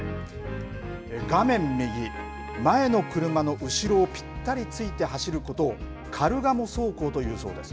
画面右、前の車の後ろをぴったりついて走ることをカルガモ走行というそうです。